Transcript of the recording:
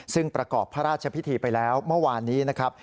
ซึ่งประกอบพระราชพิธีไปแล้วเมื่อวานนี้นะครับ